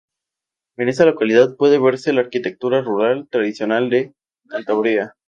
En esta localidad puede verse la arquitectura rural tradicional de Cantabria.